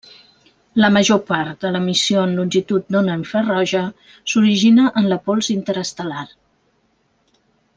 La major part de l'emissió en longitud d'ona infraroja s'origina en la pols interestel·lar.